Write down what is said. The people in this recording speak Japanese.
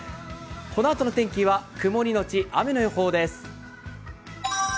このあとの天気は曇りのち雨の予報です。